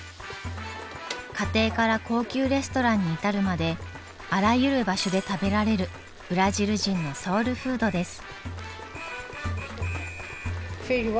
家庭から高級レストランに至るまであらゆる場所で食べられるブラジル人のソウルフードです。